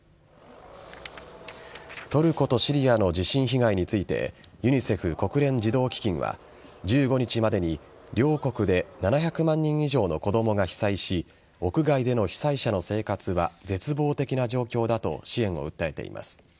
トルコとシリアの地震被害についてユニセフ＝国連児童基金は１５日までに両国で７００万人以上の子供が被災し屋外での被災者の生活は絶望的な状況だと支援を訴えています。